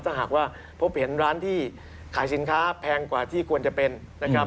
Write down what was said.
ถ้าหากว่าพบเห็นร้านที่ขายสินค้าแพงกว่าที่ควรจะเป็นนะครับ